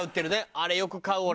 あれよく買う俺。